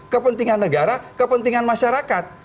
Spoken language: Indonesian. kepentingan negara kepentingan masyarakat